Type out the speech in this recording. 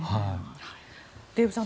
デーブさん